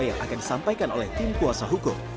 yang akan disampaikan oleh tim kuasa hukum